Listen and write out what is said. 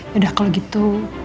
yaudah kalo gitu